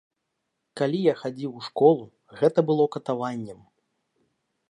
Калі я хадзіў у школу, гэта было катаваннем.